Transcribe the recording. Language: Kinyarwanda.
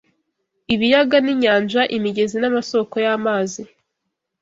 Ibiyaga n’inyanja, imigezi n’amasōko y’amazi